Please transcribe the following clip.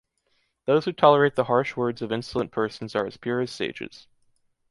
Those who tolerate the harsh words of insolent persons are as pure as sages.